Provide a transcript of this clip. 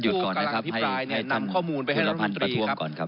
สิทธิ์จุลภัณฑ์พิปรายนะครับให้ท่านพอลพรันตาท่วงก่อนครับ